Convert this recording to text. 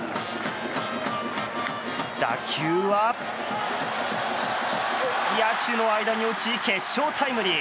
打球は野手の間に落ち決勝タイムリー！